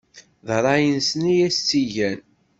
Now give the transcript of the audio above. D ṛṛay-nsen i asen-tt-igan.